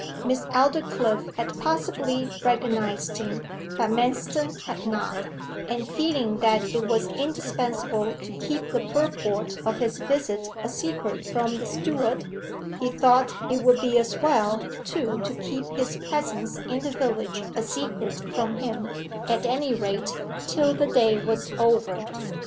Miss Aldclyffe had possibly recognized him, but Manston had not, and feeling that it was indispensable to keep the purport of his visit a secret from the steward, he thought it would be as well, too, to keep his presence in the village a secret from him; at any rate, till the day was over.